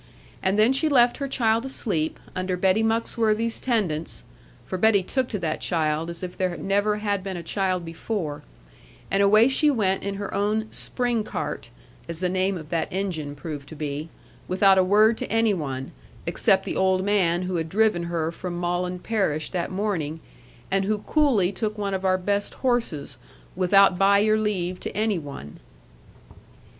And then she left her child asleep, under Betty Muxworthy's tendance for Betty took to that child, as if there never had been a child before and away she went in her own 'spring cart' (as the name of that engine proved to be), without a word to any one, except the old man who had driven her from Molland parish that morning, and who coolly took one of our best horses, without 'by your leave' to any one.